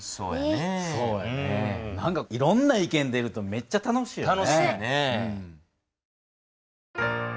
何かいろんな意見出るとめっちゃ楽しいよね。